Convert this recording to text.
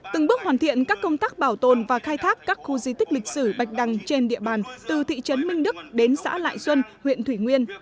từng bước hoàn thiện các công tác bảo tồn và khai thác các khu di tích lịch sử bạch đăng trên địa bàn từ thị trấn minh đức đến xã lại xuân huyện thủy nguyên